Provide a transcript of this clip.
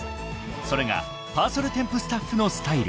［それがパーソルテンプスタッフのスタイル］